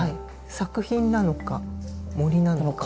作品なのか森なのか。